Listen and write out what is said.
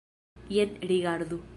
Jen rigardu.